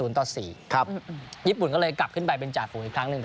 ญี่ปุ่นก็เลยกลับขึ้นไปเป็นจ่าฝูงอีกครั้งหนึ่ง